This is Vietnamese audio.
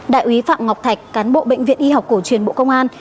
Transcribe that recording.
đại úy phạm ngọc thạch cán bộ bệnh viện y học cổ truyền bộ công an